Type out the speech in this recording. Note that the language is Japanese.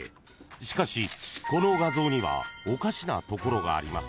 ［しかしこの画像にはおかしなところがあります］